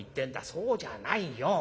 そうじゃないよ。